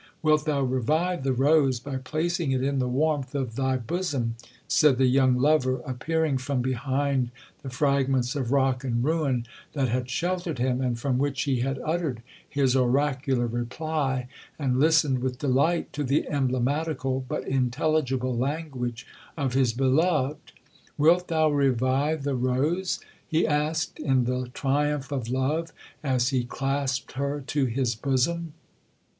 '—'Wilt thou revive the rose by placing it in the warmth of thy bosom,' said the young lover, appearing from behind the fragments of rock and ruin that had sheltered him, and from which he had uttered his oracular reply, and listened with delight to the emblematical but intelligible language of his beloved. 'Wilt thou revive the rose?' he asked, in the triumph of love, as he clasped her to his bosom.